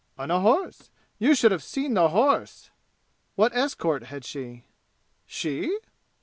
"On a horse. You should have seen the horse!" "What escort had she?" "She?"